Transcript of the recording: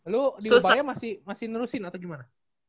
lu di surabaya masih masih nurusin atau gimana